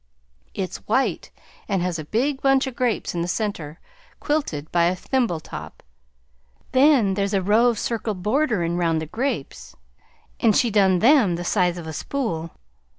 It's white, and has a big bunch o' grapes in the centre, quilted by a thimble top. Then there's a row of circle borderin' round the grapes, and she done them the size of a spool.